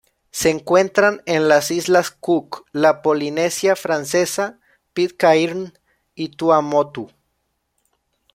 Se encuentran en las Islas Cook, la Polinesia Francesa, Pitcairn y Tuamotu.